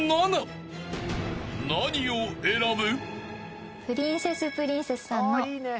［何を選ぶ？］